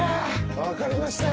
わかりましたよ。